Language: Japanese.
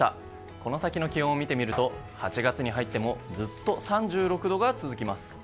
この先の気温を見てみると８月に入ってもずっと３６度が続きます。